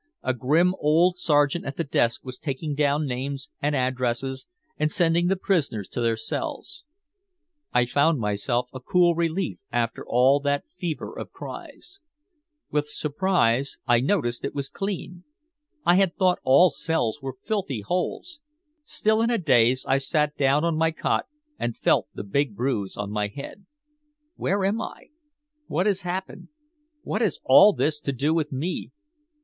A grim old sergeant at the desk was taking down names and addresses and sending the prisoners to their cells. I found my cell a cool relief after all that fever of cries. With surprise I noticed it was clean. I had thought all cells were filthy holes. Still in a daze, I sat down on my cot and felt the big bruise on my head. "Where am I? What has happened? What has all this to do with me?